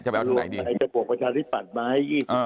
รวมไปจะบวกประชาธิบัติหมาย